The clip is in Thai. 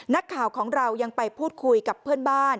นักข่าวของเรายังไปพูดคุยกับเพื่อนบ้าน